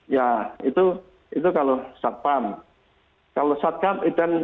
ya itu kalau satpam